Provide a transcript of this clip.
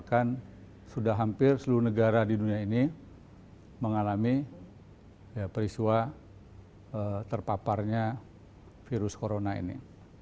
bahkan sudah hampir seluruh negara di dunia ini mengalami perisua terpaparnya virus corona ini